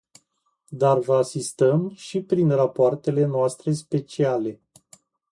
Dar vă asistăm și prin rapoartele noastre speciale.